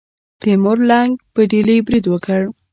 تیمور لنګ په ډیلي برید وکړ.